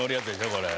これ。